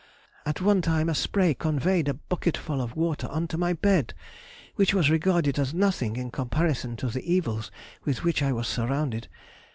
At one time a spray conveyed a bucket full of water into my bed, which was regarded as nothing in comparison to the evils with which I was surrounded.